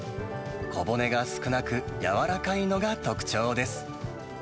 小骨が少なく、やわらかいのが特徴です。